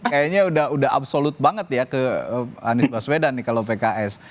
kayaknya udah absolut banget ya ke anies baswedan nih kalau pks